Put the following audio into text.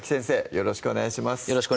よろしくお願いします